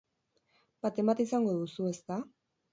Baten bat izango duzu, ezta?